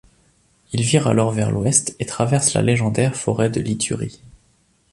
Il vire alors vers l'ouest et traverse la légendaire forêt de l'Ituri.